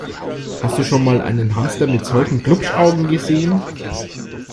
Hast du schon mal einen Hamster mit solchen Glupschaugen gesehen?